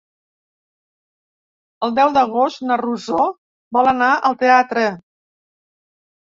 El deu d'agost na Rosó vol anar al teatre.